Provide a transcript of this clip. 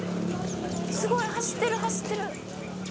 すごい走ってる走ってる。